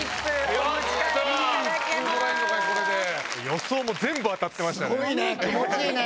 予想も全部当たってましたね。